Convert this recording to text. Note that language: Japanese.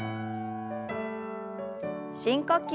深呼吸。